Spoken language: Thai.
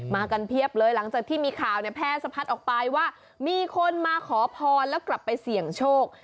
มากันเพียบเลยหลังจากที่มีข่าวเนี่ยแพร่สะพัดออกไปว่ามีคนมาขอพรแล้วกลับไปเสี่ยงโชค